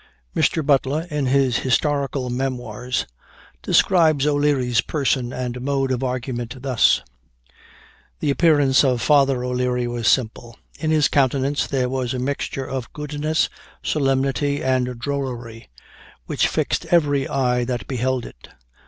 Mr. Butler, in his Historical Memoirs, describes O'Leary's person and mode of argument thus: "The appearance of Father O'Leary was simple. In his countenance there was a mixture of goodness, solemnity, and drollery, which fixed every eye that beheld it.